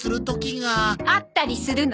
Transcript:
あったりするの？